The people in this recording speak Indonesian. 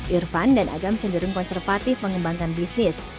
irfan dan agam cenderung konservatif mengembangkan bisnis